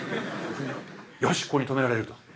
「よしここに止められる」と。